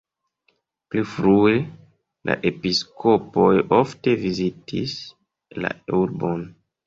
Pli frue la episkopoj ofte vizitis la urbon.